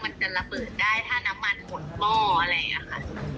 มันจะระเบิดได้ถ้าน้ำมันหมดหม้ออะไรอย่างนี้ค่ะ